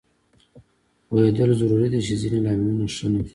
پوهېدل ضروري دي چې ځینې لاملونه ښه نه دي